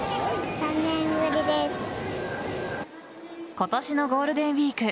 今年のゴールデンウイーク